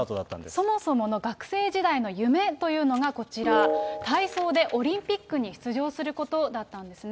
そもそもの学生時代の夢というのがこちら、体操でオリンピックに出場することだったんですね。